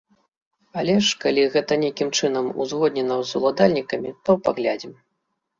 Але ж калі гэта нейкім чынам узгоднена з уладальнікамі, то паглядзім.